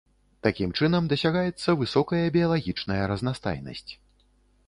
Такім чынам дасягаецца высокая біялагічная разнастайнасць.